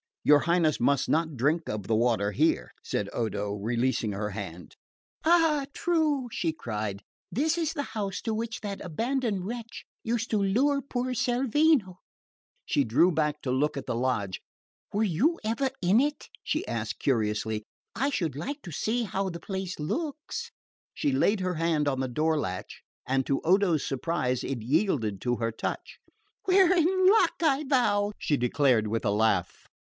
"Your Highness must not drink of the water here," said Odo, releasing her hand. She gave him a quick derisive glance. "Ah, true," she cried; "this is the house to which that abandoned wretch used to lure poor Cerveno." She drew back to look at the lodge. "Were you ever in it?" she asked curiously. "I should like to see how the place looks." She laid her hand on the door latch, and to Odo's surprise it yielded to her touch. "We're in luck, I vow," she declared with a laugh.